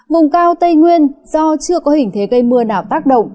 vùng cao tây nguyên do chưa có hình thế gây mưa nào tác động